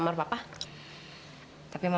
apaan sih kak